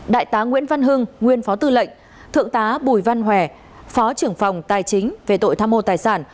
đại tá nguyễn văn hưng nguyên phó tư lệnh thượng tá bùi văn hòe phó trưởng phòng tài chính về tội tham mô tài sản